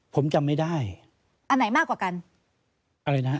ผมจำไม่ได้อันไหนมากกว่ากันอะไรนะฮะ